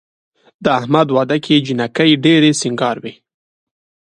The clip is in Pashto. د احمد واده کې جینکۍ ډېرې سینګار وې.